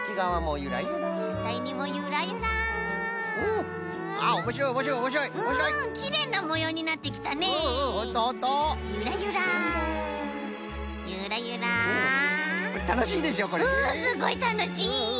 うんすごいたのしい。